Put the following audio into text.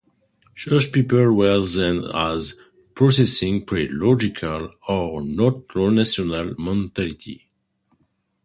Such people were seen as possessing pre-logical, or non-rational, mentality.